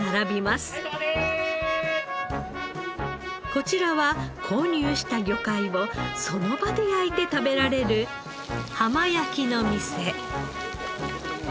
こちらは購入した魚介をその場で焼いて食べられる浜焼きの店。